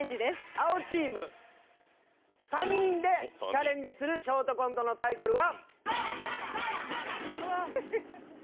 青チーム３人でチャレンジするショートコントのタイトルは。